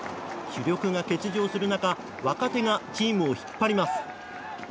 主力が欠場する中若手がチームを引っ張ります。